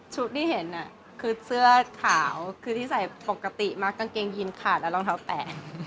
เชื้อขาวแบบที่ใส่ปกติเย็นขาดกางเคนแล้วรองเท้าแตก